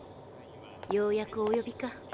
ようやくお呼びか。